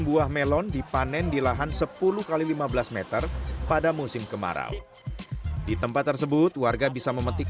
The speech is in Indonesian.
buah melon dipanen di lahan sepuluh x lima belas meter pada musim kemarau di tempat tersebut warga bisa memetik